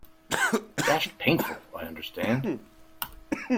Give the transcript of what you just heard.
Dashed painful, I understand.